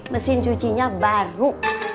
mesin cucinya baru